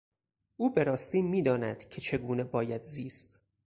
او بهراستی میداند که چگونه باید زیست.